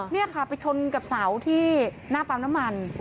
นี่ค่ะไปชนกับเสาที่หน้าปั๊มน้ำมัน